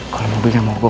kalau mobilnya mogok